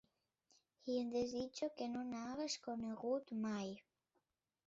I desitjo que no n'hagués conegut mai.